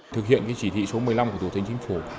thực hiện chỉ thị số một mươi năm của thủ tướng chính phủ